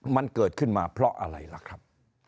มันเกิดขึ้นมาเพราะอะไรล่ะครับ